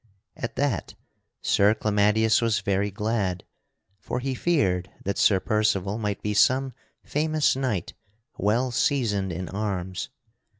At that Sir Clamadius was very glad, for he feared that Sir Percival might be some famous knight well seasoned in arms.